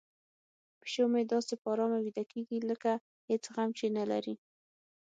پیشو مې داسې په ارامه ویده کیږي لکه هیڅ غم چې نه لري.